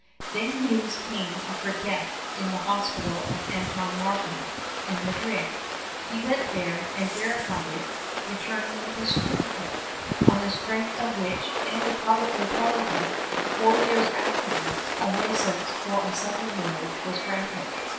Then news came of her death in the hospital of Anton Martin in Madrid. He went there and verified it, returning with a certificate, on the strength of which and of public notoriety, four years afterwards, a licence for a second marriage was granted.